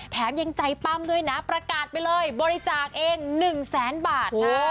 แถมยังใจปั้มด้วยนะประกาศไปเลยบริจาคเอง๑แสนบาท